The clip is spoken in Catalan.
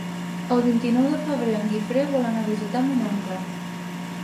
El vint-i-nou de febrer en Guifré vol anar a visitar mon oncle.